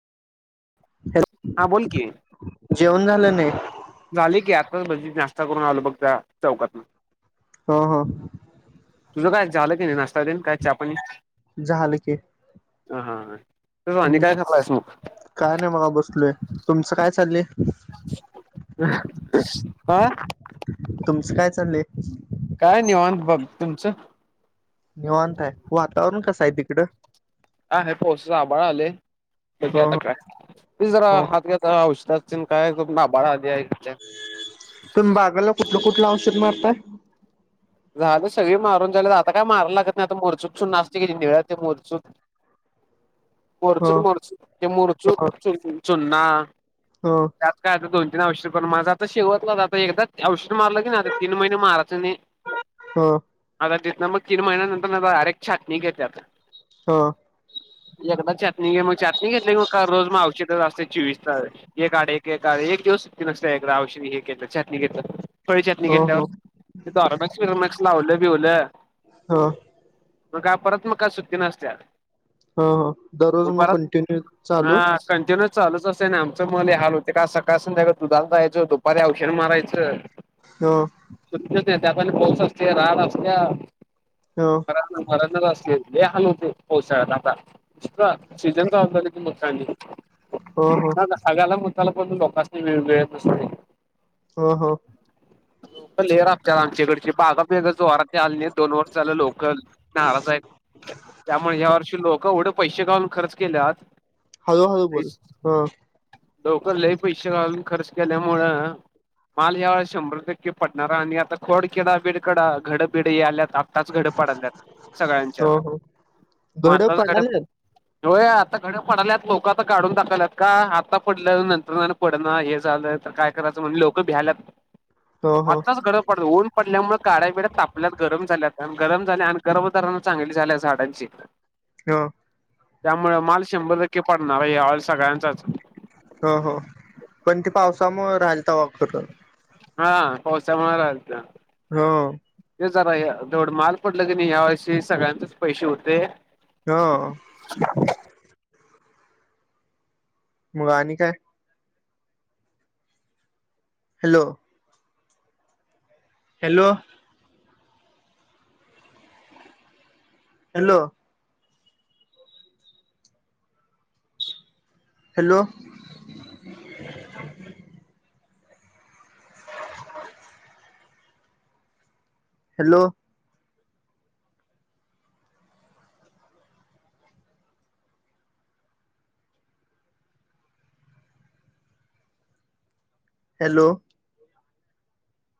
Hello, हा बोल कि जेवण झालं नाही. झाले की आताच भजी नाष्टा करून आलो बघ त्या चौकातून हा हा. तुझं काय झालं की नाही नाश्ता तेन काय चापाणी झालं की ह हा तेच की आणि हम्म काय करायलास मग काय नाही मग बसलोय तुमचं काय चाललंय. आ. तुमचं काय चाललंय? काय निवांत बघ तुमचं? निवांत आहे वातावरण कसं आहे तिकडं. हा आहे थोडसं आभाळ आलय बघूया हो आता हो काय ते जरा हो हात घ्याता औषधात काय [unintelligible] तुम्ही बागला कुठलं कुठलं औषध मारताय झालं सगळी मारून झालं आता काय माराय लागत नाही आता मोरचूत चून असतय की ते निळं ते मोरचूत [inaudible] हो मोरचूद मोरचू ते मोरचुद चू चुना ह त्यात काय आता दोन तीन औषध पण माझं आता शेवतला जातय आता एकदा औषध मारलं की आता तीन महिने माराच नाही हा आता तिथनं मग तीन महिन्या नंतर ना डायरेक्ट छाटणी घेत्यात हो एकदा चटणी घे मग चटणी घेतली क मग का रोज मग औषध जास्त चिवीसतात एक आड एक एक आ एक दिवस सुटती नसत एक गवशी हे घेतात चटणी घेतात फळी ातणी हो घेतल्यावर त आ मक्स लावलं बिवलं हो मग का परत मग काय सुट्टी नसत हा हा दररोज मग कंटिन्यू चालू कंटिन्यूस चालच असतेय ना आमचं म हे हाल होते का सकाळ संध्याकाळ दुधात जाहायचं दुपारी औषध मारायचं हो त नाही त्या प पाऊस असते राड असत्या हा मर असले हाल होते पोहसाळ्यात आता इ सीझन का आल ति म कानी हो हो हगाला म त्याला पण लोकांनी वेगळेत नस हो हो ले आपल्या तच्याकडची बागा बेगच वात आ नाही दोन वर्ष झालं लोकल नाराज आहेत त्यामुळे ह्या वर्षी लोक एवढे पैसे काालून खर्च केले हळूहळू नाही बोल हो लवकर ल पैसे काालून खर्च केल्यामुळं माल ह्या वेळेस शंभर टक्के पडणारा आणि आता खोडकडा बिडकडा घडबिड आल्यात आताच घड पाडल्यात सगळ्यांच्या हो हो मग आत्ताला घड होय आता घड पडाल्यात लोक आता काढून टाकाल्यात का आता पडल्या नंतर पड हे झालं तर काय करायचं म्ह लोक भ्याय ह आजताच गड ऊन पडल्यामुळे काड्या बिड्या तापल्यात गरम झाल्यात आणि गरम झाल्या आणि गर्मधारना चांगली झाल्या झाडांची ह त्यामुळे माल शंभर टक्के पडणार आहे हे हऑॉईल सगळ्यांचाच हो हो कोण ते पावसामुळे राहिलता वॉक करून हा पावसा मार होा ते जरा जवढं माल पडलं की नाही या वर्षी सगळ्यांचेच पैसे होते हा ह मुगणी काय hello hello hello hello hello hello.